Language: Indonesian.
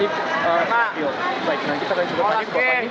baik kita akan coba tanya ke bapak ini